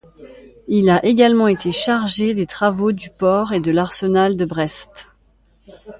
Il a également été chargé des travaux du port et de l'arsenal de Brest.